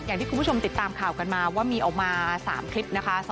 อย่างที่คุณผู้ชมติดตามข่าวกันมาว่ามีออกมา๓คลิปนะคะ